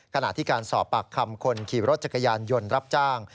ขณะที่การสอบปากคำคนขี่รถจักรยานยนต์รับจ้าง